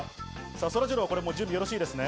そらジロー、準備はよろしいですね？